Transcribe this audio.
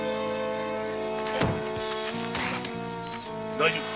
大丈夫か？